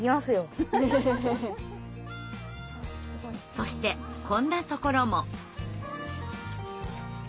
そしてこんなところも。